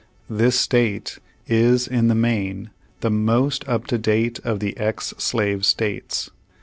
This state is, in the main, the most up to date of the ex slave states.